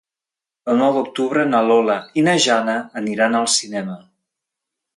El nou d'octubre na Lola i na Jana aniran al cinema.